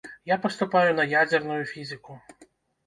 Я паступаю на ядзерную фізіку.